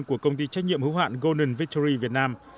của công ty trách nhiệm hữu hạn golden victory việt nam